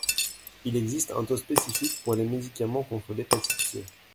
Il existe un taux spécifique pour les médicaments contre l’hépatite C.